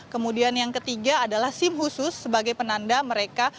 kemudian yang ketiga adalah sim khusus sebagai penanda mereka